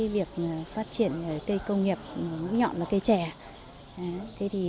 việc phát triển cây công nghiệp ngũ nhọn là cây trẻ